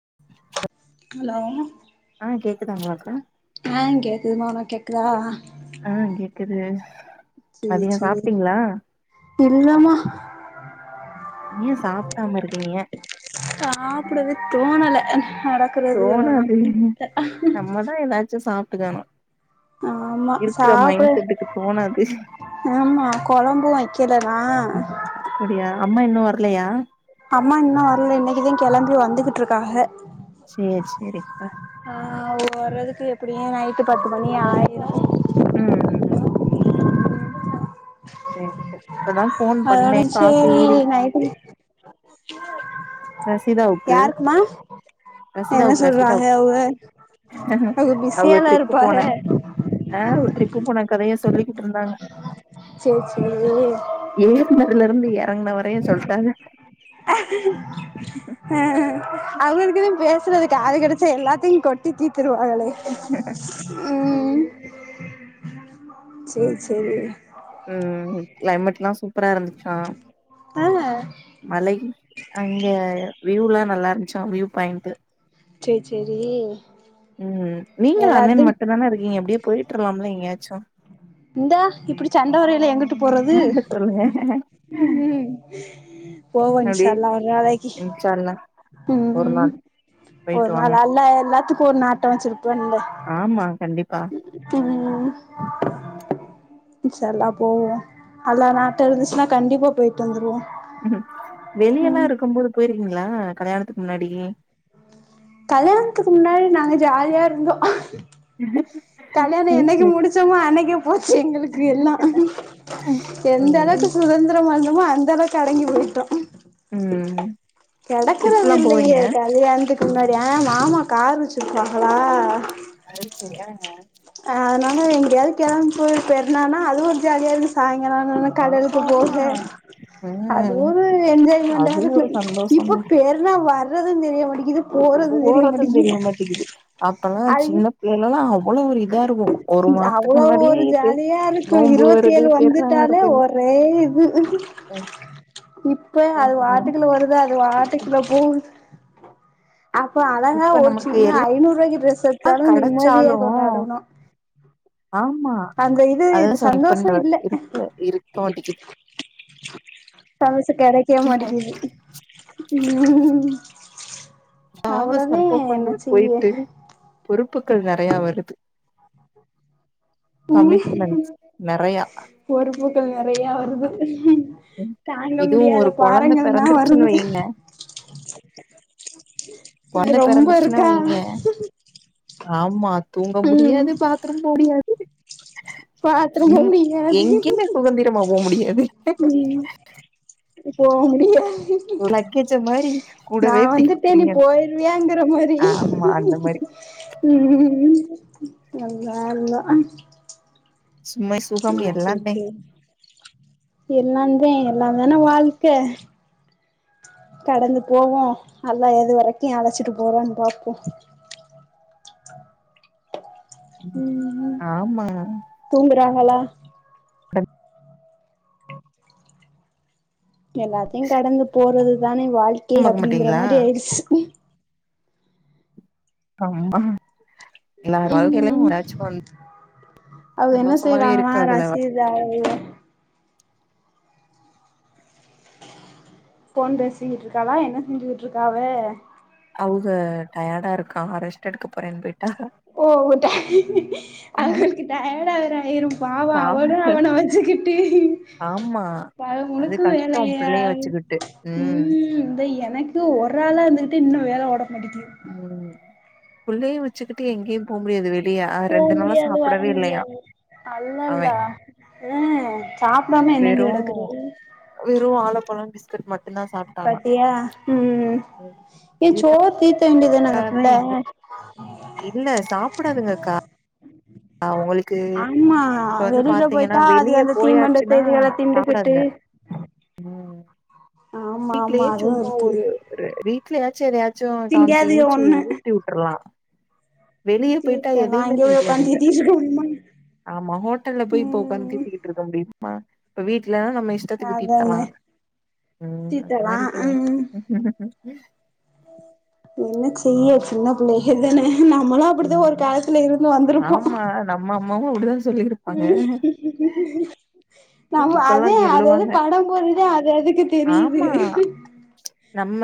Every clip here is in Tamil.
[unintelligible] ஹலோ அ கேக்குதாங்களாக்கா அ கேக்குதுமா உனக் கேக்குதா அ கேக்குது சேரி மதியோ சேரி சாப்டீங்களா இல்லமா ஏ சாப்டாம இருக்கீங்க ஏ சாப்டவே தோணல நடக்குறது எல்லா நா தோணாது நம்மதா ஏதாச்சு சாப்ட்டுக்கணு ஆமா இருக்குற சாப்ட மைண்ட் செட்டுக்கு தோணாது ஆமா கொழம்பு வெக்கலனா அப்டியா அம்மா இன்னு வரலையா அம்மா இன்னு வரல இன்னிக்கிதா கெளம்பி வந்துகிட்ருக்காக சேரி சேரிக்கா நா அவர் வர்றதுக்கு எப்டியு நைட்டு பத்துமணி ஆயிரு உம் ம் சேரி இப்பதா ஃபோன் அதோட பண்ணே காசு சேரி ஏறி நைட்டு [inaudible] ரசிதாவுக்கு யாருக்குமா என்ன ரசிதாவுக்கு சொல்றாக ரசிதாவுக்கு அவுக அவுக அவங்க பிஸியால்ல ட்ரிப்பு இருப்பாக போன ஆ வுட்ரு ஒரு ட்ரிப்பு போனா கதைய சொல்லிக்கிட்டு இருந்தாங்க சேர் சேரி ஏர்னதுல இருந்து இறங்கின வரையும் சொல்டாங்க அ அவருக்னு பேசுறது ஆளு கெடைச்சா எல்லாத்தையு கொட் டித் தீத்ருவாகளே உம் சேரி சேரி உம் கிளைமேட் எல்லா சூப்பரா இருந்துச்சா ஆ மலை அங்க வியூ எல்லா நல்லா இருந்துச்சா வியூ பாயிண்ட்டு செர் சேரி உம் நீங்களு எல்லாருது அண்ணன் மட்டு தான இருக்கீங்க அப்டியோ போயிட்ருலாம்ல எங்கேயாச்சு இந்தா இப்டி சண்டை வரையில எங்குட்டு போறது சொல்லுங்க உம் போவோ அப்டியே இன்ஷால்லா ஒரு நாளைக்கு இன்ஷா அல்லாஹ் உம் ம் ஒரு வாங்க நாள் அல்லாஹ் எல்லாத்துக்கு ஒரு நாட்ட வச்சுருப்பான்ல ஆமா கண்டிப்பா உம் இன்ஷாஅல்லாஹ் போவோ அல்லாஹ் நாட்ட இருந்துச்சுன்னா கண்டிப்பா போயிட்டு வந்துருவோ ம் வெளிய எல்லா இருக்கும் போது போயிருக்கீங்களா கல்யாணத்துக்கு முன்னாடி கல்யாணத்துக்கு முன்னாடி நாங்க ஜாலியா இருந்தோ ம் ஹும் கல்யாணோ என்னைக்கு முடிச்சுசோமோ அன்னைக்கே போச்சு எங்களுக்கு எல்லா எந்த அளவுக்கு ம் சுதந்திரமா இருந்தமோ அந்த அளவுக் கெடங்கி பொயிட்டோ ம் கெடக்குறது ட்ரிப்லா போவீங்க இல்லையே கல்யாணத்துக் முன்னாடி ஆ மாமா கார் வச்சுருப்பாங்களா அது சரியான நேரோ அதுனால எங்கேயாது கெளம்பி போயி பெற்னான்னா அது ஒரு ஜாலியா இருக்கு சாயங்கால ஆன ஒன்னோ ஆமா கடலுக்கு ஆமா போக அது ம் ஒரு என்ஜாய்மெண்டா அது இருக்கு ஒரு சந்தோஷந்தா இப்ப பெருனா வர்றது தெரிய மாட்டிங்கிது போறது தெரிய மாட்டிங்கிது அப்பல்லா அது சின்ன புள்ளையிலெல்லா அவ்ளோ ஒரு இதா இருக்கு ஒரு மாசத்துக்கு அவ்ளோ முன்னாடியே ஒரு இது ஜாலியா இருக்கு நோம்பு இருவத்தி வருது ஏழு பெர்னா வந்துட்டாலே வருதுன்னு ஒரே இது ம் இப்ப அது வாட்டுக்குள்ள வருது அது வாட்டுக்குள்ள போவுது அப்போ அழகா இப்ப ஒரு நமக்கு சின்ன எல்லா ஐநூறு ரூவாக்கி ட்ரெஸ் எடுத்தாலும் நிம்மதியா கெடச்சாலு கொண்டாடுணோ ஆமா அதுதா சொல்றே இப்பன்ற சந்தோஷம் வரைக்கு இருக்க இருக்க மாட்டிக்கிது பழசு கெடைக் தே மாட்டிகிது ம் சாவ அவ்வளவே என்ன சம்பவங்கள் செய்ய பொயிட்டு பொறுப்புகள் நெறையா வருது கமிட்மெண்ட்ஸ் நெறையா பொறுப்புக்கள் நெறையா வருது தாங்க இதுவு முடியாத ஒரு கொழந்த பாரங்கள்னா பெறந்துருச்சுன்னு வருது வைங்க இது கொழந்த ரொம்ப பெறந்துருச்சுன்னா இருக்கான் வைங்க ஆமா தூங்க ம் முடியாது பாத்ரூம் போ முடியாது பாத்ரூம் போ ம் முடியாது எங்கயுமே சுதந்திரமா போ முடியாது ம் இப்போ முடியாது ஒரு லக்கேஜ மாரி நா கூடவே கூட்டிக்கிட்டு வந்துட்டே நீ திரியணு போயிருவியாங்குற மாரி ஆமா அந்த மாரி ம் ம் அல்லா அல்லா சும்மை சூப் செரி செரி எல்லாந்தே எல்லாந்தான வாழ்க்க கடந்து போவோ அல்லா எது வரைக்கு அழைச்சிட்டு போறான்னு பாப்போ ஆமா தூங்குறாங்களா கண் எல்லாத்தையு கடந்து போறதுதானே வாழ்க்கை பாக்க அப்டிங்கிற மாட்டீங்களா மாரி ஆயிடுச் கம்பம் எல்லார் வாழ்கைலயு ஒரு அச்சம் வந்து அது என்ன சந்தோஷமாவே செய்றாங்கனா இருக்காதுல ரசீது அவுங்ளே ஃபோன் பேசிக்கிட்ருக்காளா என்ன செஞ்சுகிட்ருக்கா அவ அவுக டயர்டா இருக்காங்க ரெஸ்ட் எடுக்க போறேன்னு போயிட்டாக ஓ ஓ அவுகளுக்கு டயர்டா ஆயி ஆயிரும் பாவோ பாவ அவளு அவன வச்சுக்கிட்டு ஆமா பகல் அது முழுக்கு கஷ்டோ வேலைங்க பிள்ளைய வச்சுக்கிட்டு ம் இந்த எனக் த்து ஒர் ஆளா இருந்துகிட்டு இன்னு வேல ஓட மாட்டிங்கிது ம் புள்ளையு வச்சுகிட்டு எங்கேயு போ முடியாது வெளி போ முடியாது வர முடியாது அவ அல்லல்ல ம் சாப்டாம என்னன்டு வெறு கெடக்குறது வெறு வாழப்பழ பிஸ்கட் மட்டும்தா சாப் பாத்தியா ம் ஏய இதுக்காகதா சோர் தீத்த வேண்டியதான அந்த புள்ள எங்க இல்ல சாப்டாதுங்க அக்கா அவுங்களு க்கு ஆமா இப்ப வந்து வெளில பாத்தீங்கன்னா போயிட்டா அது வெளிய அந்த போயாச்சுன்னா தீமண்டத்த இதுகள திண்டுகிட்டு சாப்டாதுங்க ம் ஆமா ஆமா வீட்லயே அதுவு சும்மா இருக்கு ஒரு வீட்லயாச்சு ஏதாய்ச்சு கொஞ்சோ காம்சி திங்காதீக கிம்சி ஒண்ணு ஊட்டி வுட்டுரலா வெளியே போயிட்டா தீட்டலா எதையுமே இங்க திங்காதுக [unintelligible] ஆமா ஹோட்டல போயி இப்ப ஓட்காந்து ம் தூக்கியிட்டு இருக்க முடியுமா இப்ப வீட்டுலதா நம்ம இஷ் டத்துக்கு தீட்டலா அதானே ம் அந்த தீட்டலா மாதிரி இருக்குங்க ம் என்ன செய்ய சின்ன பிள்ளைகள் தான நம்மளும் அப்டிதா ஒரு ம் காலத்துல இருந்து வந்துருப்போ ஆமா நம்ம அம்மாவு இப்டிதா சொல்லிருபாங்க ம் நம்ம இப்பல்லா அதே அது அது சொல்லுவாங்க பட போடும்தா அது அதுக்கு தெரியுது ஆமா நம்ம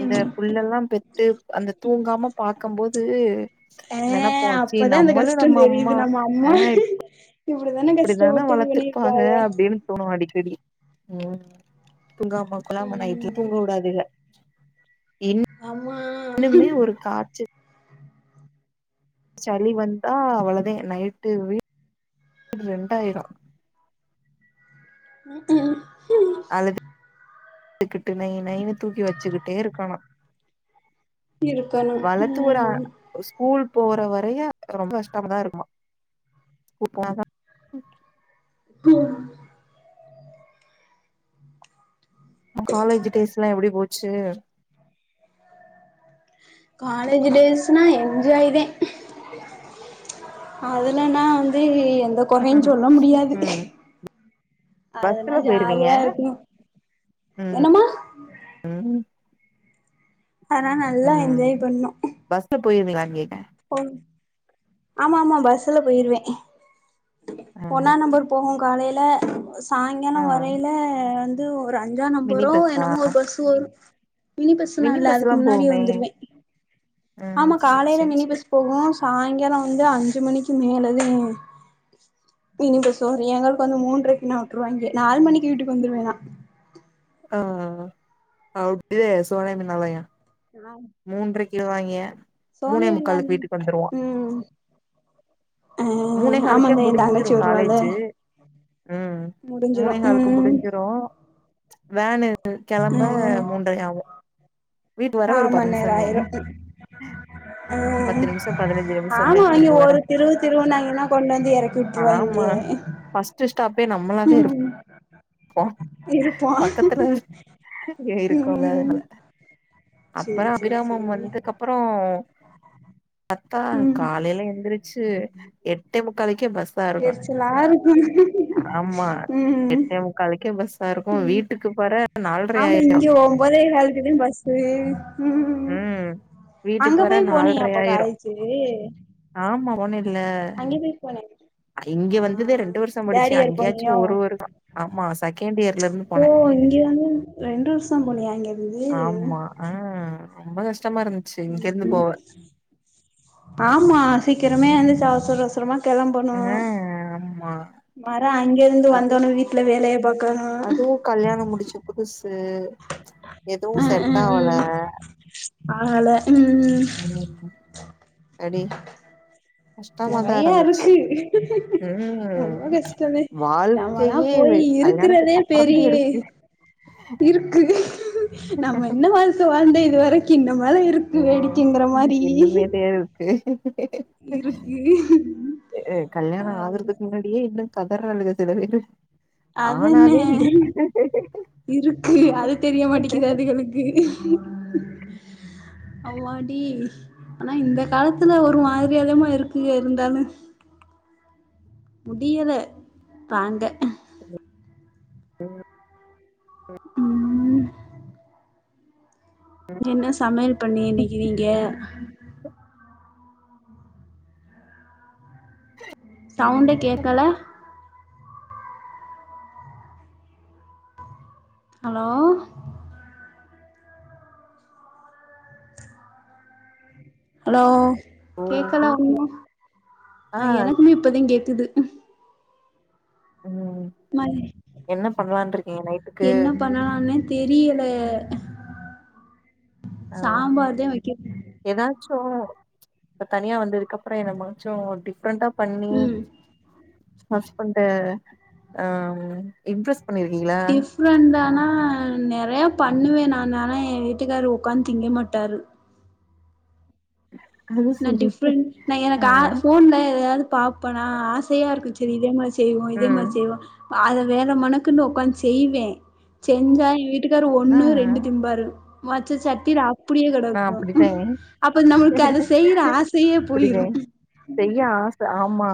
இந்த புள்ள எல்லா பெத்து அந்த தூங்காம பார்க்க போது ஆ நெனப்போ சி அப்பதா அந்த நம்மளு கஷ்டோ நம்ம அம்மா அ இப்டிதானங்க இப்டிதான வளர்த்துருப்பாங்க அப்டின்னு தோணு அடிக்கடி ம் தூங்க கொள்ளமா நைட்டுல ம் தூங்க விடாதுங்க அம்மா இன்னுமே ஒரு காச்சு சளி வந்தா அவ்ளவுதா நைட்டு வீட்டு ரெண்டா ஆயிடு ம் அழுது கிட்டு நைன்னனு தூக்கி வச்சுக்கிட்டே இருக்கன்னு இருக்கணு வளர்த்து ஓர் ஆ ம் ஸ்கூல் போற வரையு ரொம்ப கஷ்டமாதா இருக்குமா ஸ்கூல் போனாதா காலேஜ் டேஸ் எல்லா எப்டி போச்சு காலேஜ் டேஸ்னா என்ஜாய் தா அதுலன்னா வந்து எந்த குறையு சொல்ல முடியாது ம் அதுனா பஸ்ல போயிருவீங்க ஜாலியா இருக்குன்னு ம் என்னம்மா ம் அதுனால நல்லா ம் என்ஜாய் பண்ணோ பஸ்ல போடுவீங்களான்னு கேட்ட ஆமா ஆமா பஸ்ல போயிருவ ஆ ஒன்னா நம்பர் போகும் காலையில் சாயங்கால ஆ வரையில வந்து ஒரு அஞ்சா மினி நம்பரோ பஸ்ஸா என்னமோ ஒரு பஸ் இது வரு மினி பஸ்ல்லா இல்ல அதுக்கு முன்னாடியே வந்துடுவ ஆ ஆமா சேரி காலையில சேரி மினி சேரி பஸ் போகு சாயங்கால வந்து அஞ்சு மணிக்கு மேலத மினி பஸ் வரு எங்களுக்கு வந்து மூன்றரைக்குல்லா விட்டுருவாங்க நாலு மணிக்கு வீட்டுக்கு வந்துருவ நா ஆ அவுட்டு சோலய மின் நிலைய என்னாவும் மூன்றுரைக்கு விடுவாங்கய மூனே விண்ணன் முக்காலுக்கு வீட்டுக்கு வந்துருவோ ம் ஆ முன்னே காலுக்கே ஆமாங்க என் முடிஞ்சிரு தங்கச்சி வருவால காலேஜ் ம் முடிஞ்சிரு மூனேகால்க்கு ம் முடிஞ்சிரு வேனு கெளம்ப ம் ம் மூன்றையாவு வீட் வர ஒரு பத் றாயிரு ம் பத்து நிமிஷோ பதினஞ்சு நிமிஷந்தே ஆமா அவிங்க வீட்டுக்கு வர ஒருத் திருவு திருவுனாய்ங்கனா கொண்டு வந்து எறக்கிவுட்ருவாய்ங்க ஃர்ஸ்ட்டு ஸ்டாப்பே நம்மளாதே இருப் போ இருப்போ பக்கத்துல இங்க இருக்கோல ம் அதனால சேரி பறோ சேரி அபிராமம் சேரி வந்தக்கப்பறோ அக்கா ம் காலைல எந்திருச் சு எட்டே முக்காலுக்கே பஸ் எரிச்சலா இருக்கு ம் கலைக்கே பஸ்ஸாருக்கு வீட்டுக்கு போற நால்ரையாயிரு போம்போதே வேல்குதுன் பஸ் வி ம் வீட்டுக்கு அங்க வர போய் போனியா நால்ரை அப்ப ஆயிரு காலேஜூ ஆமா ஒன இல்ல அங்கியும் போய் போனே இங்கே ஆ வந்ததே ரெண்டு வருஷம் படிச்சு தேர்ட் இயர் அங்கியாச்சு போனியோ ஒரு வருமா ஆமா செகண்ட்டியர்லருந் ஓ இங்க வந்து ரெண்டு வர்ஷம் போனியா இங்க இருந்து அ ரொம்ப கஷ்டமாருந் ம் ஆமா சீக்கிரமே எந்துச் அவசர அவசரமாச் கெளம்பனு ஆ ஆமா மரே அங்கேந்து வந்தோனே வீட்ல வேலையப் பாக்கோணு கல்யாணம் முடிச்ச புதுசு எதுவு செட்டாவல ஆள ம் ம் ம் ம் ம் அடி கஷ்டமாதா நெறைய இருந்துச்சு இருக்கு ரொம்ப ம் கஷ்டமே நம்மல்லா வாழ்க்கையே போய் இருக்குறதே கல்யாணத்துக்கப்பறந்தே பெரிய இருக்கு இருக்கு நம்ம என்ன வாழ்க்க வாழ்ந்த இது வரைக்கி இன்னமேல இருக் ம் இன்னுமேத் தேரருக்கு இருக்கு அ அ கல்யாணோ அது ஆகறதுக் முன்னாடியே இன்னு கதறர்லாகுக சில வேறு அதன்னே இருக்கு அது தெரிய மாட்டேகிது அதுகளுக்கு ச அவ்வாடி ஆனா இந்த காலத்துல ஒரு மாரியாதாமா இருக்குக இருந்தாலு முடியல தாங்க ம் என்ன சமையல் பண்ணிக இன்னைகி நீங்க சவுண்டே கேக்கல ஹலோ ஹலோ ஓ கேக்கல ஒன்னு ஆ எனக்குமே இப்பதேங் கேக்குது ம் [unintelligible] என்ன பண்லான் இருக்கீங்க நைட்டுக்கு என்னப்ப இன்னலானேத் தெரியல ஆ சாம்பார்தே வெக்க எதாச்சு இப்பத் தனியா வந்ததுக்கப்றோ என மச்சோ டிஃப்ரெண்டாப் பண்ணி ம் ஹஸ்பண்ட்ட அ இம்ப்ரெஸ் பண்ணிருக்கீங்ளா ஃபிரெண்டானா நெறையாப் பண்ணுவே நானு ஆனா ஏ வீட்டுகாரு வுக்காந் திங்க மாட்டாரு அது நா சரி டிஃப்ரெண்ட் நா எனக்கு ஆ ஃபோன்ல எதயாது பாப்பனா ஆசையா இருக்குச் ரி இதேமாரி செய்வோ இதேமாரி ம் செய்வோ அத வேற மணக்குன்னு உக்காந்து செய்வே செஞ்சா இவ க்காரரு ஆ ஒன்னு ஆ ரெண்டு திம்பாரு மச்ச சட்டி ராத் புடியே கிடக்கு அப்ப நம்மளுக்கு அது அப்டிவே செய்ய ஆச ஆமா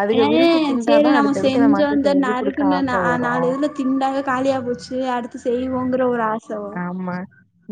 அதுக ஏ விரும்பி சேரி திண்டாதா நம்ம அடுத்தடுத்து செஞ்சோ நமக்கு அந்த செஞ்சு குடுக்க நறுக்குன ஆச நா வரு நாலு இதுல திண்டது காலிய போச்சு அடுத்து செய்வோங்கிற ஒரு ஆச வரும். ஆமா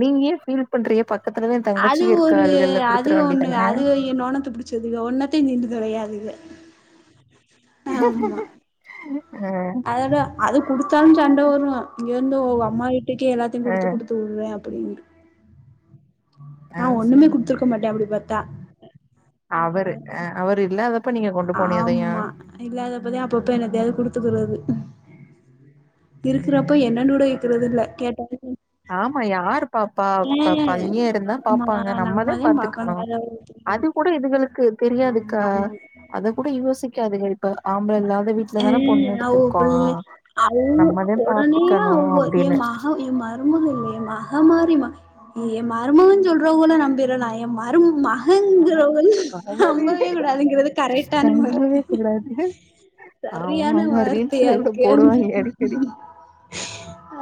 நீங்க ஏ ஃபீல் பண்றீக பக்கத்துலதா எ தங்கச்சியு இருகால்கள்ல குடுத்துர வேண்டியதானே என்னானத்து பிடி சதுங்க ஒன்னத்தையு நின்னு தொலையாதுங்க அஹ் அதோட அது கொடுத்தாலும் அதோட அது குடுத்தாலு சண்ட வரு இங்க இருந்து ஒ அம்மா வீட்டுக்கே எல்லாத்தயு ஆ கொடுத்து கொடுத்து வுடுரே அப்படின் ஆ நா ஒண்ணுமே சரி குடுத்துருக்க மாட்டே அப்டி பாத்தா அவரு அஹ் அவரு இல்லாதப்ப நீங்க கொண்டு போனியதையா ஆமா இல்லாதப்பதா அப்பப்ப என்னத்தயாவது குடுத்துவுடுறது இருக்கிறப்ப ம் என்னன்னு கூட கேக்குருது இல்ல கேட்டாலே ஆமா யாரு பாப்பா பையே இருந்தா ஆமா பாப்பாங்க நம்மதே நம்மதா பாத்துக்கணு பாக்கணு அத அது கூட இதுகளுக்கு தெரியாதுக்கா ஆமா ஆமா அது கூட யோசிக்காதுங்க இப்ப ஆம்பள இல்லாத வீட்டுலதானே பொண்ணு ம் அவ எடுத்திருக்கோ புள்ள அவ நம்மதா ஒடனேயே பாத்துக்கணு அவங்க எ அப்டின்னு மகா எ மருமக இல்ல எ மகமாரிமா ஏ மருமகனு சொல்றவங்கள நம்பிறலா எ மரு மகங்கிறோ நம்பவே கூடாதுங்கிறது கரைட்டான நம்பவே வார்த்த கூடாது ஆமா சரியான ஆமா வார்த்தையா ரீல்ஸ்ல கூட இருக்கே போடுவாங்க அடிக்கடி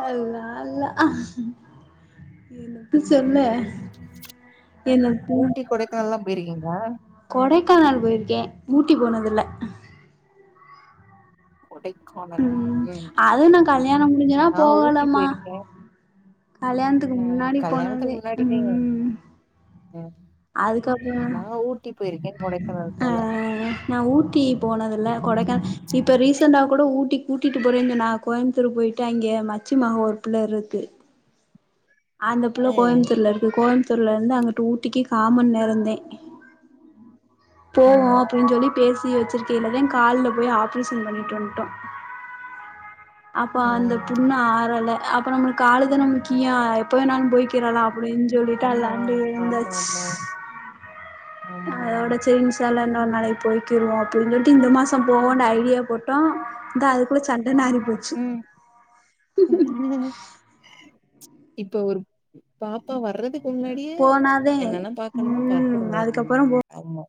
அல்லா அல்லா சொல்லே என்னத்த ஊட்டி கொடைக்கானல்லா போயிருக்கீங்ளா கொடைக்கானல் போயிருக்கே ஊட்டி போனதுல்ல கொடைக்கான் உம் அது நா கல்யாண முடிஞ்சலா நா ஊட்டி போகல மா போயிருக்கே கல்யாணத்துக்கு ஆ முன்னாடி போனதே உம் உம் அதுக்கப்புறோ கொடைக்கானல் போல அஹ் நா ஊட்டி போனதில்ல கொடைக்கான இப்ப ரீசெண்டட்டா கூட ஊட்டி கூட்டிட்டு போறேனு சென்னாங் கோய்ம்புத்தூர் போய்ட்டு அங்க மச்சி மக ஒரு புள்ள இருக்கு அந்த புள்ள ம் கோய்ம்த்தூர்ல இருக்கு கோய்ம்த்தூர் தூர்ல இருந்து அங்குட்டு ஊட்டிக்கு காமன்நேரந்தே போவோ ம் அப்டின்னு சொல்லி பேசி வச்சிருக்கேலதே கால்ல போய் ஆப்ரேஷன் பண்ணிட்டு வன்டோ அப்ப ஆ அந்த புண்ணு ஆறல அப்ப நம்மலுக்கு காலுதானே முக்கியோ இப்பவேநானு போய்கிறேல அப்டின்னு சொல்லிட்டு ஆமா அல்லாண்டு ஆமா வந்தாச்சு ஆமா ஆமா அதோட ஆமா சேரின்னு இன்ஷால்லா இன்னொருநாளைக்கி போய்கிருவோ அப்டின்னு சொல்லிட்டு இந்த மாசோ போவோனு ஐடியா போட்டோ இந்தா அதுக்குள்ள சண்ட நாறிபோ உம் இப்ப ஒரு பாப்பா வர்றதுக்கு முன்னாடியே போனாதே என்னென்ன பாக்கணுமோ ம் பாத்துருங்க அதுக்கப்புறோ ஆமா